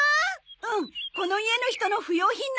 うんこの家の人の不要品なんだ。